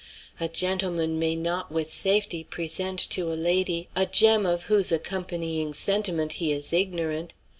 A gentleman may not with safety present to a lady a gem of whose accompanying sentiment he is ignorant.